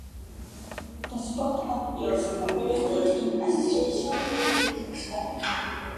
The Spot app is operated in association with Bidvest Bank.